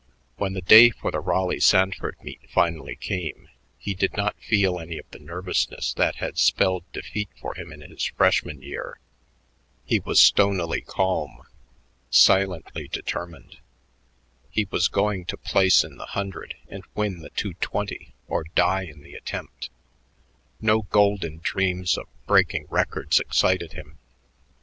When the day for the Raleigh Sanford meet finally came, he did not feel any of the nervousness that had spelled defeat for him in his freshman year. He was stonily calm, silently determined. He was going to place in the hundred and win the two twenty or die in the attempt. No golden dreams of breaking records excited him.